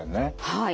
はい。